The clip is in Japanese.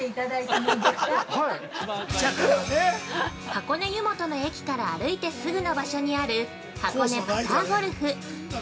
◆箱根湯本の駅から歩いてすぐの場所にある「箱根パターゴルフ」。